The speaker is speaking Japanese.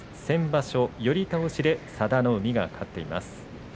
先場所、寄り倒しで佐田の海が勝っています。